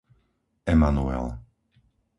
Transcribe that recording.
Emanuel